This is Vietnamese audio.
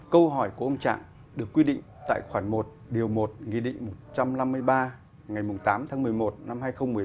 câu hỏi của ông trạng được quy định tại khoản một điều một nghị định một trăm năm mươi ba ngày tám tháng một mươi một năm hai nghìn một mươi bốn